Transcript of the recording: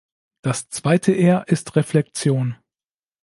Das zweite "R" ist Reflexion.